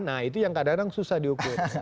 nah itu yang kadang kadang susah diukur